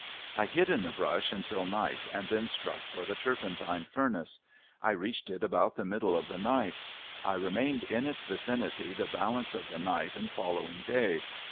I hid in the brush until night and then struck for the turpentine furnace. I reached it about the middle of the night. I remained in its vicinity the balance of the night and following day.